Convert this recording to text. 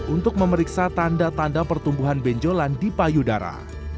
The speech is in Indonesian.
untuk memeriksa tanda tanda pertumbuhan benjolan di payudara